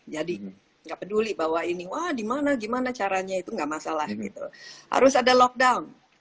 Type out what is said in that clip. jadi nggak peduli bahwa ini wah gimana gimana caranya itu enggak masalah harus ada lockdown